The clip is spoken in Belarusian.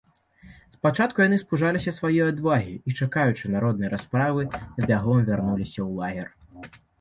Спачатку яны спужаліся сваёй адвагі і, чакаючы народнай расправы, бягом вярнуліся ў лагер.